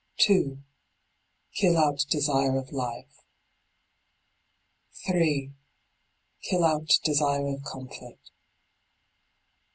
2. Kill out desire of life. 3. Kill out desire of comfort.